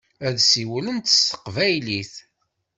Ad siwlent s teqbaylit.